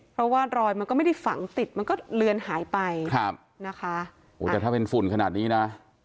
เพราะว่ารอยมันก็ไม่ได้ฝังติดมันก็เลือนหายไปครับนะคะโอ้แต่ถ้าเป็นฝุ่นขนาดนี้นะ